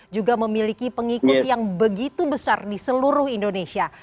juga memiliki pengikut yang begitu besar di seluruh indonesia